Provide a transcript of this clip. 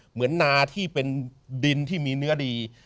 เหมือนนาที่เป็นดินที่มีเนื้อดี